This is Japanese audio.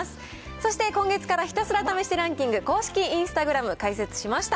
そして、今月からひたすら試してランキング公式インスタグラム開設しました。